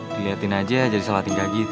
diliatin aja jadi salah tinggal gitu